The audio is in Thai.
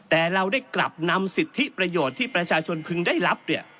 แต่เราได้กลับนำสิทธิประโยชน์ที่ประชาชนพึงได้รับ